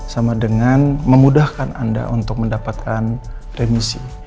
sama dengan memudahkan anda untuk mendapatkan remisi